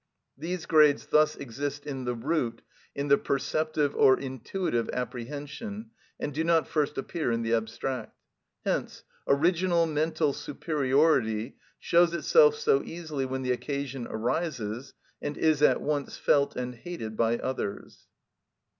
These grades thus exist in the root, in the perceptive or intuitive apprehension, and do not first appear in the abstract. Hence original mental superiority shows itself so easily when the occasion arises, and is at once felt and hated by others.